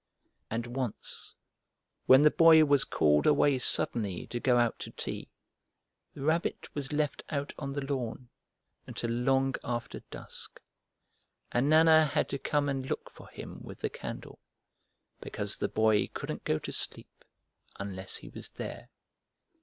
And once, when the Boy was called away suddenly to go out to tea, the Rabbit was left out on the lawn until long after dusk, and Nana had to come and look for him with the candle because the Boy couldn't go to sleep unless he was there.